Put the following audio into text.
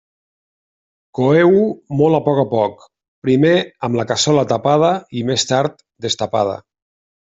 Coeu-ho molt a poc a poc, primer amb la cassola tapada i més tard destapada.